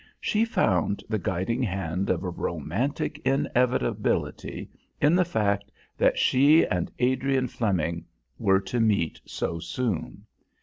She found the guiding hand of a romantic inevitability in the fact that she and Adrian Flemming were to meet so soon.